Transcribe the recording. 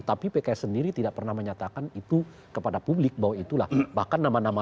tapi pks sendiri tidak pernah menyatakan itu kepada publik bahwa itulah bahkan nama nama